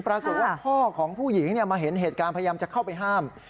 ปรากฏว่าพ่อของผู้หญิงมาเห็นเหตุการณ์พยายามจะเข้าไปห้าม